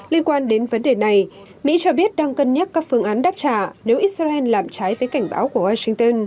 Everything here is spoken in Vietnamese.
liên quan đến vấn đề này mỹ cho biết đang cân nhắc các phương án đáp trả nếu israel làm trái với cảnh báo của washington